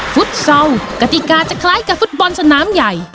ฟุตซอลกติกาจะคล้ายกับฟุตบอลสนามใหญ่